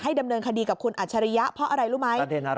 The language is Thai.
ดำเนินคดีกับคุณอัจฉริยะเพราะอะไรรู้ไหม